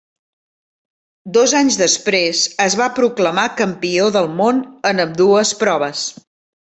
Dos anys després es va proclamar campió del món en ambdues proves.